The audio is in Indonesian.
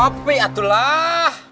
ngopi atuh lah